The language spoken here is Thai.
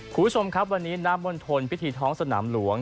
คุณผู้ชมครับวันนี้น้ำมณฑลพิธีท้องสนามหลวง